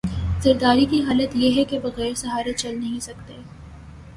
زرداری کی حالت یہ ہے کہ بغیر سہارے چل نہیں سکتے۔